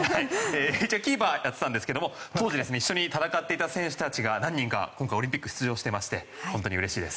一応キーパーをやっていたんですけれども当時一緒に戦っていた選手たちが今回オリンピックに出場していまして本当にうれしいです。